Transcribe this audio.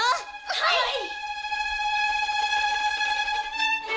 はい！